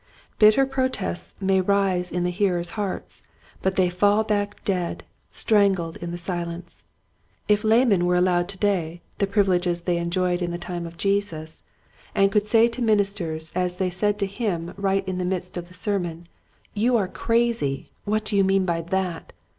Bitter protests may rise in the hearers' hearts but they fall back dead, strangled in the silence. If laymen were allowed to day the privi leges they enjoyed in the time of Jesus, I20 Quiet Hints to Growing Preachers, and could say to ministers as they said to him right in the midst of the sermon, —" You are crazy ! What do you mean by that